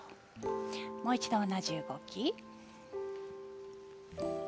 もう一度、同じ動きです。